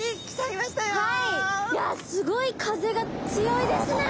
いやすごい風が強いですね。